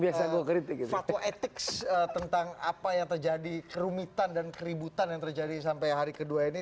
fatwa etik tentang apa yang terjadi kerumitan dan keributan yang terjadi sampai hari kedua ini